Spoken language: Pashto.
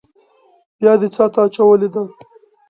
بيا دې څاه ته اچولې ده.